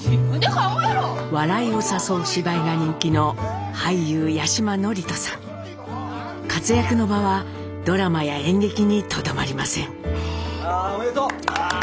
笑いを誘う芝居が人気の活躍の場はドラマや演劇にとどまりません。